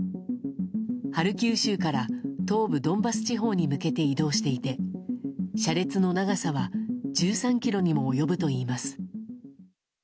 ハルキウ州から東部ドンバス地方に向けて移動していて、車列の長さは１３ｋｍにも及ぶといいます。